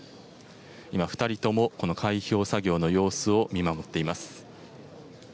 今、２人ともこの開票作業の様子を見守っています。